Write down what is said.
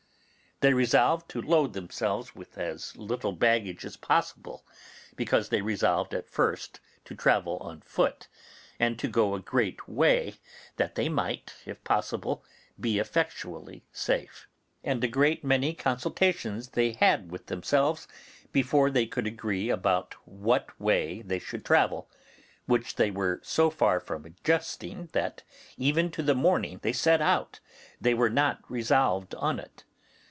They resolved to load themselves with as little baggage as possible because they resolved at first to travel on foot, and to go a great way that they might, if possible, be effectually safe; and a great many consultations they had with themselves before they could agree about what way they should travel, which they were so far from adjusting that even to the morning they set out they were not resolved on it.